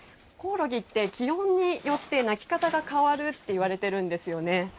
こおろぎって気温によって鳴き方が変わるといわれているんですよね。